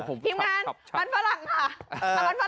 พิมพ์งานมันฝรั่งค่ะ